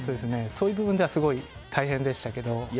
そういう部分ではすごい大変でしたけど。